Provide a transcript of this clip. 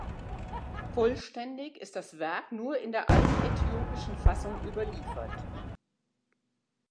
Vollständig ist das Werk nur in der altäthiopischen Fassung überliefert.